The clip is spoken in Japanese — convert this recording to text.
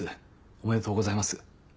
おめでとうございます。